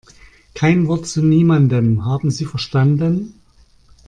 Kein Wort zu niemandem, haben Sie verstanden?